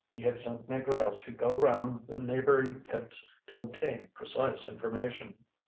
He had sent Négrel to go round the neighbouring pits to obtain precise information.